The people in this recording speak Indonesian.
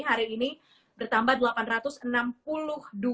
hari ini bertambah delapan ratus enam puluh dua orang